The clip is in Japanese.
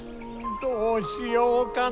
どうしようかな。